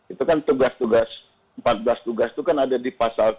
itu kan tugas tugas empat belas tugas itu kan ada di pasal tiga